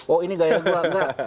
oh ini gaya gua enggak